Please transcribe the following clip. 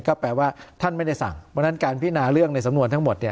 ก็แปลว่าท่านไม่ได้สั่งเพราะฉะนั้นการพินาเรื่องในสำนวนทั้งหมด